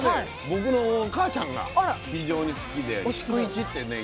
僕のお母ちゃんが非常に好きで四九市ってね